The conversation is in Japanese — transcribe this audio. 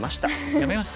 やめました？